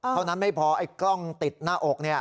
เท่านั้นไม่พอไอ้กล้องติดหน้าอก